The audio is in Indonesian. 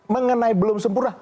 mengenai belum sempurna